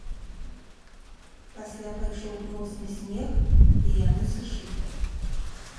Пасля пайшоў моцны снег і яны сышлі.